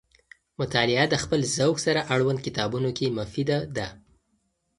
مطالعه د خپل ذوق سره اړوند کتابونو کې مفیده ده.